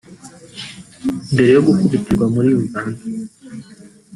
Mbere yo gukubitirwa muri Uganda